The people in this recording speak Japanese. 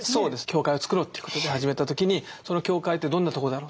教会をつくろうっていうことで始めた時にその教会ってどんなとこだろうと。